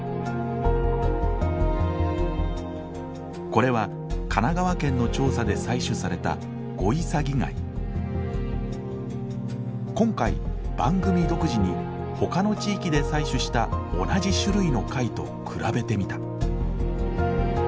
これは神奈川県の調査で採取された今回番組独自にほかの地域で採取した同じ種類の貝と比べてみた。